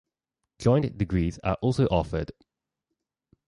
Joint degrees are also offered.